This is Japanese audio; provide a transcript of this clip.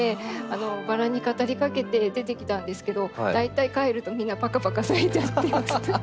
バラに語りかけて出てきたんですけど大体帰るとみんなぱかぱか咲いちゃってます。